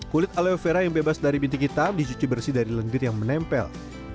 kulit aloe vera yang bebas dari bintik hitam disuci bersih dari lendir yang menempel